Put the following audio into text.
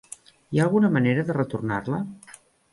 Hi ha alguna manera de retornar-la?